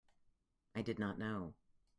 I did not know.